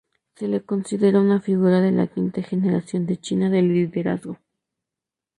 Se le considera una figura de la quinta generación de China de liderazgo.